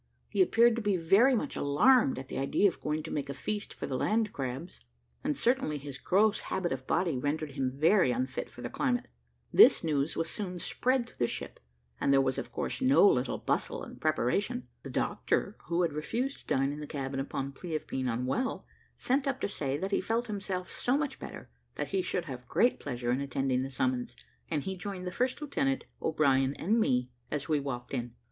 He appeared to be very much alarmed at the idea of going to make a feast for the land crabs; and certainly his gross habit of body rendered him very unfit for the climate. This news was soon spread through the ship, and there was of course no little bustle and preparation. The doctor, who had refused to dine in the cabin upon plea of being unwell, sent up to say, that he felt himself so much better, that he should have great pleasure in attending the summons, and he joined the first lieutenant, O'Brien, and me, as we walked in.